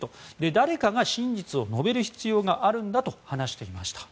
誰かが真実を述べる必要があると述べていました。